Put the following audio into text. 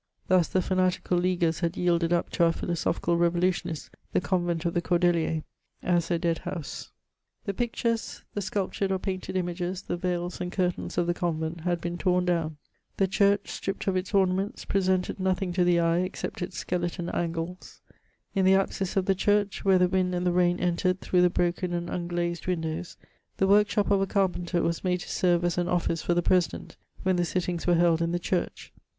Thus the fanatical leaguers had yielded up to our philosophical revolu tionists the convent of the Cordeliers, as a dead house. The pictures, the sculptured or painted images, the veils and curtains of the convent, had been torn down; the church, stripped of its ornaments, presented nothing to the eye except its skeleton angles ; in the apsis of the church, where the wind and the rain entered through the broken and unglazed windows, the workshop of a carpenter was made to serve as an office for the president, when the sittings were held in the church.